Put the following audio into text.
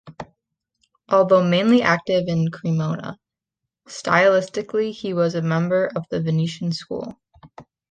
Although mainly active in Cremona, stylistically he was a member of the Venetian school.